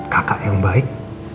kakak yang baik